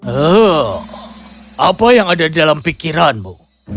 eee apa yang ada di dalam pikiranmu